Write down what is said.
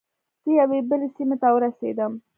زه یوې بلې سیمې ته ورسیدم.